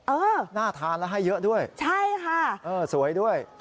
เออน่าทานแล้วให้เยอะด้วยใช่ค่ะเออสวยด้วย